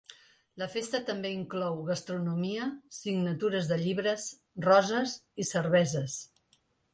La festa també inclou gastronomia, signatures de llibres, roses i cerveses.